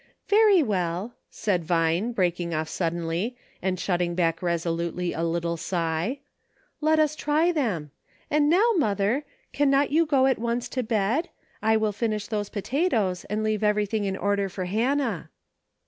"Very well," said Vine, breaking off suddenly, and shutting back resolutely a little sigh, "let us try them. And now, mother, can not you go at once to bed. * I will finish those potatoes, and leave everything in order for Hannah."